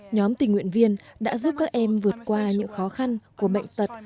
nhóm tình nguyện viên đã giúp các em vượt qua những khó khăn của bệnh tật